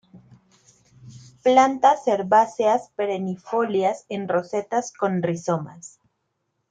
Plantas herbáceas perennifolias en rosetas con rizomas.